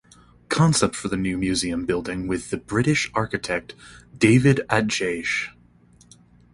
Concept for new Museum building with the British Architect David Adjaye.